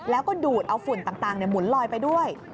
แล้วก็ดูดเอาฝุ่นต่างหมุนลอยไปด้วย